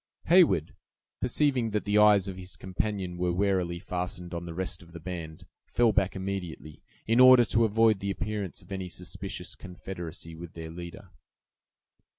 Heyward, perceiving that the eyes of his companion were warily fastened on the rest of the band, fell back immediately, in order to avoid the appearance of any suspicious confederacy with their leader.